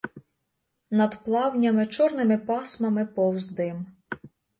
Над плавнями чорними пасмами повз дим.